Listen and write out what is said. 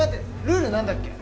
ルールなんだっけ？